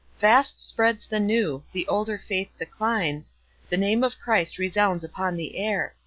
Fast spreads the new; the older faith declines. The name of Christ resounds upon the air.